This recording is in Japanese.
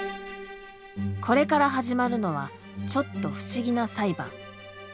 これから始まるのはちょっと不思議な裁判。